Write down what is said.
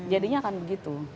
jadinya akan begitu